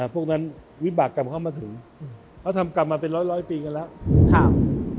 พวกนั้นวิบากรรมเข้ามาถึงเขาทำกลับมาเป็นร้อยปีกันแล้ว